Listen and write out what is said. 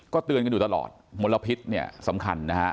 เตือนกันอยู่ตลอดมลพิษเนี่ยสำคัญนะฮะ